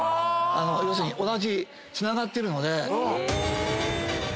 要するにつながってるので。